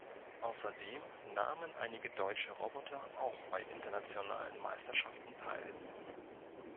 Außerdem nahmen einige deutsche Roboter auch bei internationalen Meisterschaften teil.